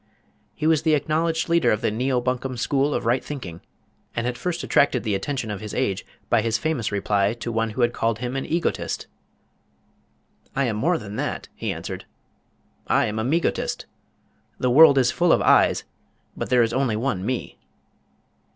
He was the acknowledged leader of the Neo Bunkum School of Right Thinking, and had first attracted the attention of his age by his famous reply to one who had called him an Egotist. "I am more than that," he answered. "I am a Megotist. The world is full of I's, but there is only one Me."